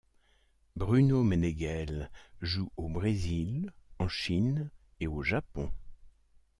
Bruno Meneghel joue au Brésil, en Chine et au Japon.